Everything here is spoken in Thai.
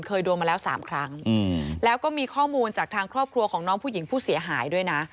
เคยโดนมาแล้วสามครั้งแล้วก็มีข้อมูลจากทางครอบครัวของน้องผู้หญิงผู้เสียหายด้วยนะ